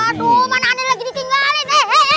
aduh mana aneh lagi ditinggalin